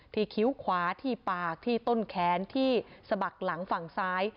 คิ้วขวาที่ปากที่ต้นแขนที่สะบักหลังฝั่งซ้าย